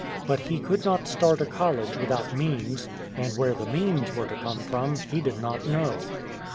But he could not start a college without means, and where the means were to come from he did not know.